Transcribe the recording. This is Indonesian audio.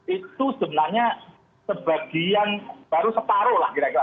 itu sebenarnya sebagian baru separuh lah kira kira